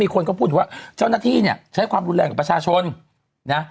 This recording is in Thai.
คนก็พูดถึงว่าเจ้าหน้าที่เนี่ยใช้ความรุนแรงกับประชาชนนะ